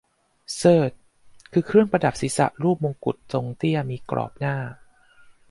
เทริด คือเครื่องประดับศรีษะรูปมงกุฎ ทรงเตี้ย มีกรอบหน้า